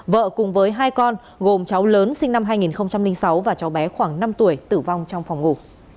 vợ cùng với hai con gồm cháu lớn sinh năm hai nghìn sáu và cháu bé khoảng năm tuổi tử vong trong phòng ngủ